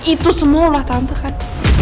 itu semualah tante kan